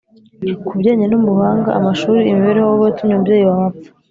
Kubijyanye n ubuhanga amashuli imibereho wowe watumye umubyeyi wawe apfa